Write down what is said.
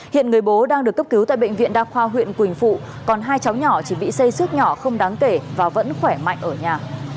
tại bệnh viện đa khoa huyện quỳnh phụ còn hai cháu nhỏ chỉ bị xây xước nhỏ không đáng kể và vẫn khỏe mạnh ở nhà